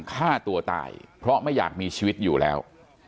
ฆ่าตัวตายเพราะไม่อยากมีชีวิตอยู่แล้ว